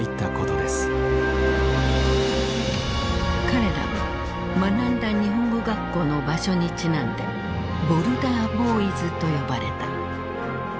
彼らは学んだ日本語学校の場所にちなんで「ボルダー・ボーイズ」と呼ばれた。